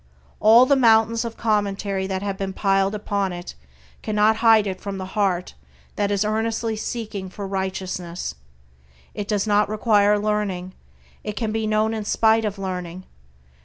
All the mountains of commentary that have been piled upon it cannot hide it from the heart that is earnestly seeking for Righteousness. It does not require learning; it can be known in spite of learning.